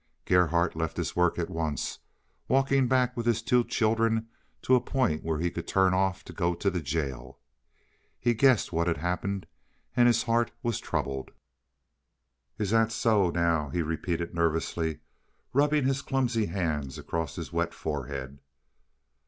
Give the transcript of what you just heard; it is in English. Gerhardt left his work at once, walking back with his two children to a point where he could turn off to go to the jail. He guessed what had happened, and his heart was troubled. "Is that so, now!" he repeated nervously, rubbing his clumsy hands across his wet forehead.